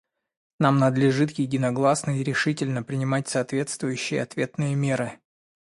Нам надлежит единогласно и решительно принимать соответствующие ответные меры.